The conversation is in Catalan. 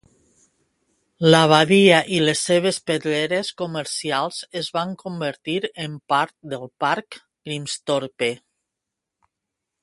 L'Abadia i les seves pedreres comercials es van convertir en part del parc Grimsthorpe.